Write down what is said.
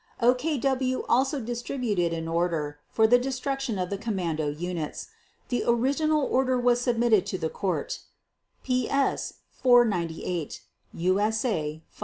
OKW also distributed an order for the destruction of the "commando" units. The original order was submitted to the Court (PS 498, USA 501).